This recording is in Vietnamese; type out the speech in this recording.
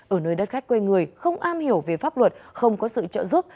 ở nơi đất khách quê người không am hiểu về pháp luật không có sự trợ giúp